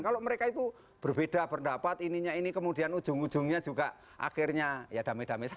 kalau mereka itu berbeda pendapat ininya ini kemudian ujung ujungnya juga akhirnya ya damai damai saja